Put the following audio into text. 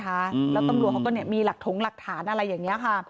แล้วตำรวจเขาก็มีหลักถรงหลักฐานอะไรแบบนี้